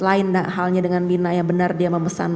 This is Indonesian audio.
lain halnya dengan bina yang benar dia memesan